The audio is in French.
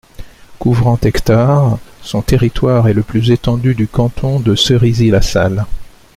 Couvrant hectares, son territoire est le plus étendu du canton de Cerisy-la-Salle.